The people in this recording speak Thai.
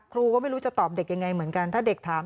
ครูก็ไม่รู้จะตอบเด็กยังไงเหมือนกันถ้าเด็กถาม